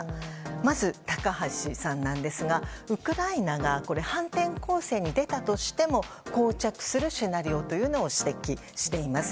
まず、高橋さんはウクライナが反転攻勢に出たとしても膠着するシナリオというのを指摘しています。